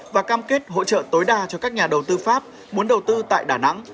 và cam kết hỗ trợ tối đa cho các nhà đầu tư pháp muốn đầu tư tại đà nẵng